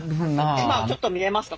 今ちょっと見れますか？